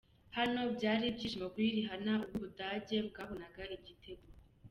Hano byari ibyishimo kuri Rihanna ubwo ubudage bwabonaga igitego.